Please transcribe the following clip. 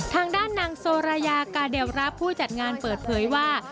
ทางด้านนางโซรายากาเดลรับผู้จัดงานเปิดเผยว่า